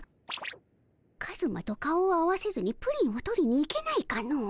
カズマと顔を合わせずにプリンを取りに行けないかの？